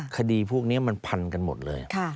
คดีพวกนี้มันพันกันหมดเลย